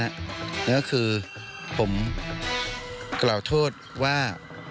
แล้วก็คือผมกล่าวโทษว่า